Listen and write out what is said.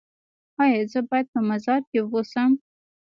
ایا زه باید په مزار کې اوسم؟